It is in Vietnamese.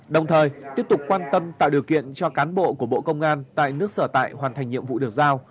đồng thời tiếp tục quan tâm tạo điều kiện cho cán bộ của bộ công an tại nước sở tại hoàn thành nhiệm vụ được giao